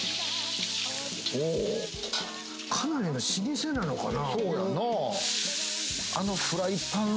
かなりの老舗なのかな？